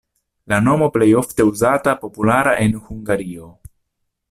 La nomo plej ofte uzata, populara en Hungario.